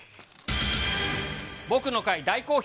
僕の回、大好評！